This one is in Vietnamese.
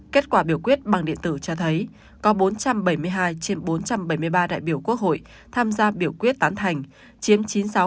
kết quả biểu quyết bằng điện tử cho thấy có bốn trăm bảy mươi hai trên bốn trăm bảy mươi ba đại biểu quốc hội tham gia biểu quyết tán thành chiếm chín mươi sáu